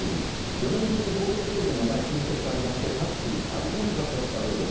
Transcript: ４年ぶりに行動制限のない春節となりまして、各地、大混雑だったようです。